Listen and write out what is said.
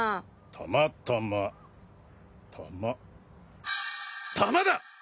たまたま弾弾だ！